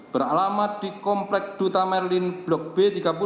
beralamat di komplek duta merlin blok b tiga puluh